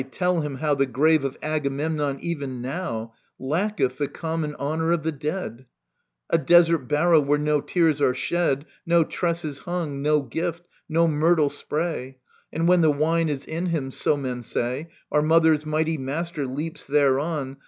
Aye, tell him how The grave of Agamemnon, even now, Lacketh the common honour of the dead ; A desert barrow, where no tears are shed. No tresses hung, no gift, no myrtle spray. And when the wine is in him, so men say. Our mother's mighty master leaps thereon.